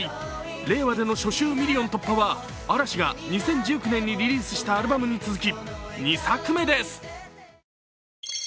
令和での初週ミリオン突破は嵐が２０１９年にリリースしたアルバムに続き２作目です。